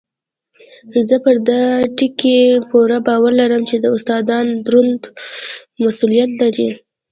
زه پر دې ټکي پوره باور لرم چې استادان دروند مسؤلیت لري.